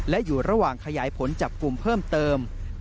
และอยู่ระหว่างขยายผลจับกลุ่มเพิ่มเติม